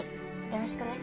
よろしくね。